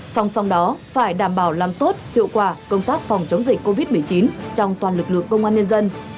song song đó phải đảm bảo làm tốt hiệu quả công tác phòng chống dịch covid một mươi chín trong toàn lực lượng công an nhân dân